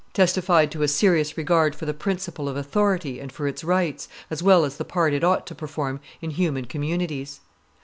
testified to a serious regard for the principle of authority and for its rights, as well as the part it ought to perform in human communities.